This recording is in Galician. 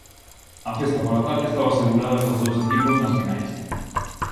A festa pola tarde estaba asegurada cos dous equipos nas finais.